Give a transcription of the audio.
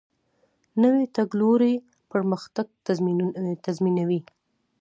نوی تګلوری پرمختګ تضمینوي